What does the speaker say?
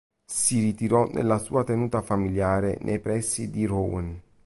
Si ritirò nella sua tenuta familiare nei pressi di Rouen.